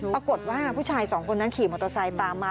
ผู้ชายสองคนนั้นขี่มอเตอร์ไซค์ตามมา